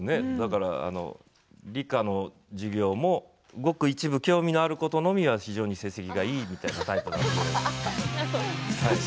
理科の授業もごく一部興味があることのみは非常に成績がいいみたいなタイプだったので。